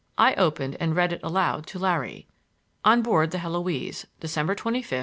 I opened and read it aloud to Larry: On Board the Heloise December 25, 1901.